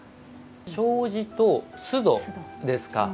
障子と簾戸ですか。